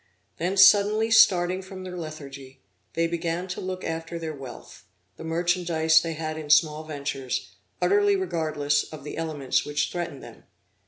Then suddenly starting from their lethargy, they began to look after their wealth, the merchandise they had in small ventures, utterly regardless of the elements which threatened them.